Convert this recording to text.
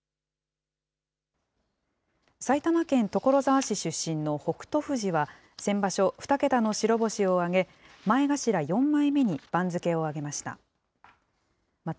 埼玉県所沢市出身の北勝富士は、先場所、２桁の白星を挙げ、前頭４枚目に番付を上げました。